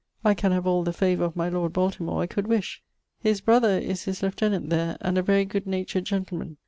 I can have all the favour of my lord Baltemore I could wish. His brother is his lieutenant there; and a very good natured gentleman.